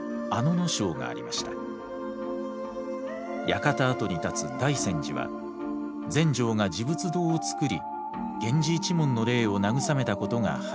館跡に立つ大泉寺は全成が持仏堂を造り源氏一門の霊を慰めたことが始まりだといいます。